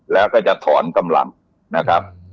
แล้วก็จะถอนกำลังนะครับ